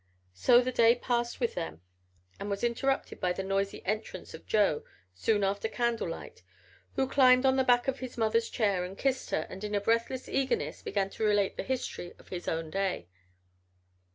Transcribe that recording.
... So the day passed with them and was interrupted by the noisy entrance of Joe, soon after candlelight, who climbed on the back of his mother's chair and kissed her and in breathless eagerness began to relate the history of his own day.